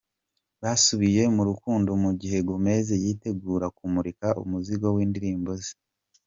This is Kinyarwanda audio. Basubiye mu rukundo mu gihe Gomez yitegura kumurika umuzingo w’indirimbo ze.